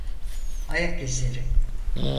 Ayak izleri.